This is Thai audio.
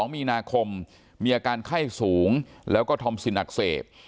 ๒มีนาคมมีอาการไข้สูงแล้วก็ทอมซินอักเสบ